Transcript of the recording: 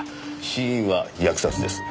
死因は扼殺です。